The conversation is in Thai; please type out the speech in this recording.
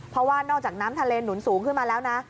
เพราะว่านอกจากน้ำทะเลหนุนสูงขึ้นมาแล้วนะ